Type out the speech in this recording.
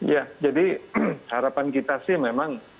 ya jadi harapan kita sih memang